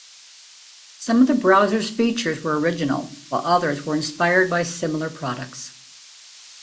Some of the browser's features were original, while others were inspired by similar products.